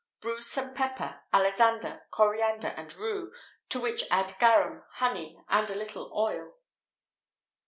Bruise some pepper, alisander, coriander, and rue, to which add garum, honey, and a little oil.